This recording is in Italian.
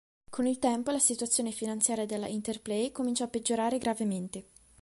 Con il tempo la situazione finanziaria della Interplay cominciò a peggiorare gravemente.